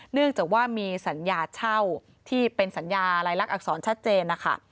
เนื่องจากว่ามีสัญญาเช่าที่เป็นสัญญาลายลักษณอักษรชัดเจนนะคะ